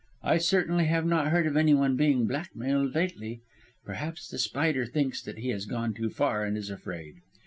"I certainly have not heard of anyone being blackmailed lately. Perhaps The Spider thinks that he has gone too far, and is afraid.